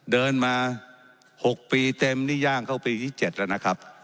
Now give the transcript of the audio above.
เดินมา๖ปีเต็มนี่ย่างเข้าปีที่๗แล้วนะครับ